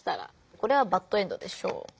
これはバッドエンドでしょう。